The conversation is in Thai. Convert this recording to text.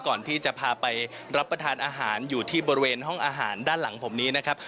ก่อนที่จะพาไปรับประทานอาหารอยู่ที่บริเวณห้องอาหารด้านหลังผมนี้นะครับ